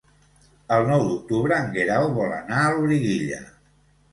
El nou d'octubre en Guerau vol anar a Loriguilla.